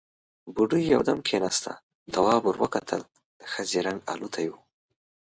بوډۍ يودم کېناسته، تواب ور وکتل، د ښځې رنګ الوتی و.